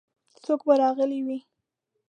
څوک به راغلي وي؟